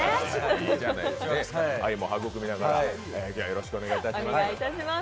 愛も育みながら今日はよろしくお願いします。